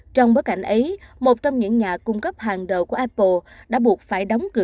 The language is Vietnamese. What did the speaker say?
trong bối cảnh ấy một trong những nhà cung cấp hàng đầu của apple đã buộc phải đóng cửa